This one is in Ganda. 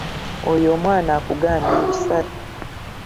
Oyo omwana akugambye ebisale.